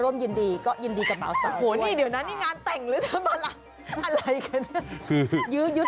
เจ้าเป่าก็เอาไปเผื่อ